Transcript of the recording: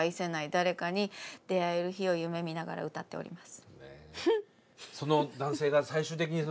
誰かに出会える日を夢みながら歌っております。